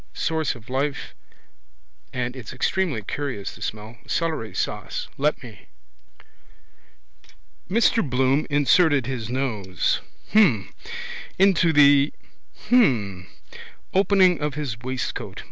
Source of life. And it's extremely curious the smell. Celery sauce. Let me. Mr Bloom inserted his nose. Hm. Into the. Hm. Opening of his waistcoat.